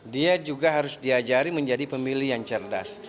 dia juga harus diajari menjadi pemilih yang cerdas